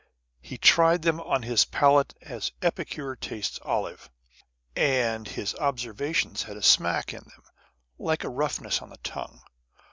He tried them on his palate as epicures taste olives, and his observations had a smack in them, like a roughness on the tongue.